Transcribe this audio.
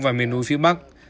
và miền núi phía bắc